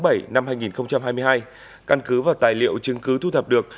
vào tháng bảy năm hai nghìn hai mươi hai căn cứ và tài liệu chứng cứ thu thập được